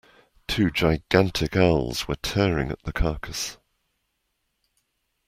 Two gigantic owls were tearing at the carcass.